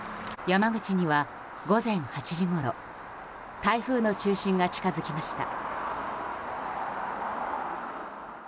山口には、午前８時ごろ台風の中心が近づきました。